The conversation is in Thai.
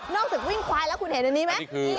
จากวิ่งควายแล้วคุณเห็นอันนี้ไหม